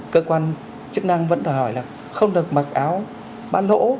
cơ quan chức năng vẫn đòi hỏi là không được mặc áo bán lỗ